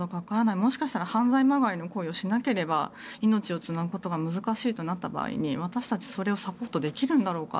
もしかしたら犯罪まがいの行為をしなければ命をつなぐことが難しいとなった場合に私たちはそれをサポートできるんだろうか。